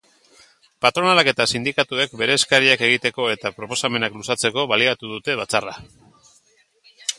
Patronalak eta sindikatuek bere eskariak egiteko eta proposamenak luzatzeko baliatu dute batzarra.